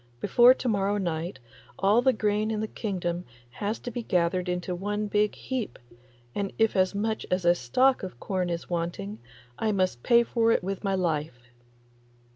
Before to morrow night all the grain in the kingdom has to be gathered into one big heap, and if as much as a stalk of corn is wanting I must pay for it with my life.